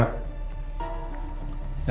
aku mau ke rumah